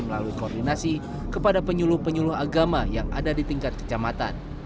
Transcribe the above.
melalui koordinasi kepada penyuluh penyuluh agama yang ada di tingkat kecamatan